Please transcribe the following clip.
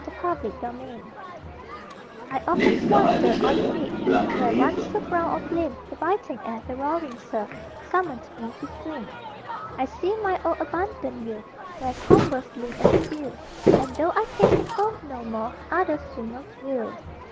] THE OLD SWIMMER I often wander on the beach Where once, so brown of limb, The biting air, the roaring surf Summoned me to swim. I see my old abundant youth Where combers lean and spill, And though I taste the foam no more Other swimmers will.